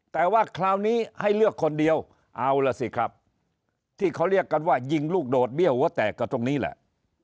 แต่ว่าคราวนี้ให้เลือกคนเดียวเอาล่ะสิครับที่เขาเรียกกันว่ายิงลูกโดดเบี้ยวหัวแตกกับตรงนี้แหละ